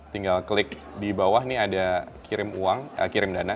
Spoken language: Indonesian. tinggal klik di bawah nih ada kirim uang kirim dana